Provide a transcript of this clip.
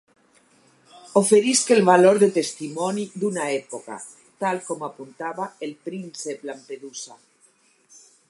Oferisc el valor de testimoni d’una època, tal com apuntava el príncep Lampedusa.